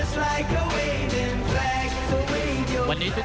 ท่านแรกครับจันทรุ่ม